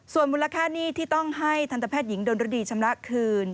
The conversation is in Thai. ส่วนมูลค่าหนี้ที่ต้องให้ทันตแพทย์หญิงดนรดีชำระคืน